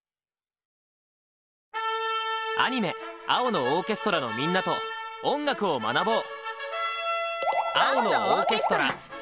アニメ「青のオーケストラ」のみんなと音楽を学ぼう！